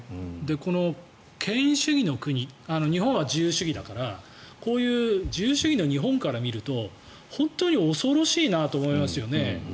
この権威主義の国日本は自由主義だからこういう自由主義の日本から見ると本当に恐ろしいなと思いますよね。